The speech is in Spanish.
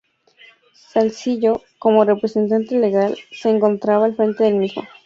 Salzillo, como representante legal, se encontraba al frente del mismo.